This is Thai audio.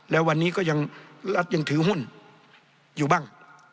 แล้ววันนี้ก็ยังรัฐยังถือหุ้นอยู่บ้าง